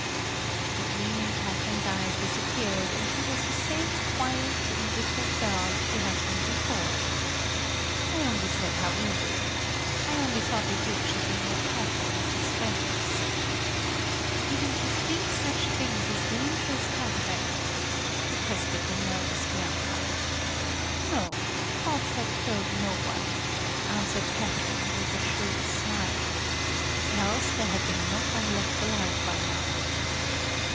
The gleam in Catherine's eyes disappeared, and she was the same quiet indifferent girl she had been before. "I only said how easy. I only thought the Duke should be more careful of his friends." "But even to think such things is dangerous, Catherine," protested the nervous Bianca. "No, thoughts have killed no one," answered Catherine, with a shrewd smile. "Else there had been no one left alive by now."